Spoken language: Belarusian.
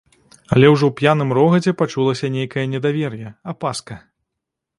Але ўжо ў п'яным рогаце пачулася нейкае недавер'е, апаска.